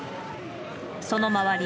その周り